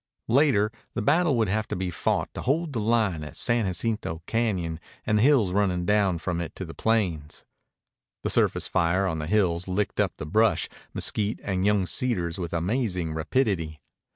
Later the battle would have to be fought to hold the line at San Jacinto Cañon and the hills running down from it to the plains. The surface fire on the hills licked up the brush, mesquite, and young cedars with amazing rapidity.